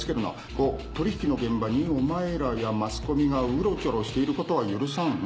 ５取引の現場にお前らやマスコミがウロチョロしている事は許さん。